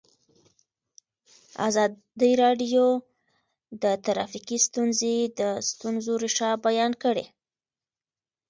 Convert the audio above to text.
ازادي راډیو د ټرافیکي ستونزې د ستونزو رېښه بیان کړې.